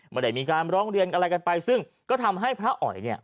ไม่ได้มีการร้องเรียนอะไรกันไปซึ่งก็ทำให้พระอ๋อยเนี่ย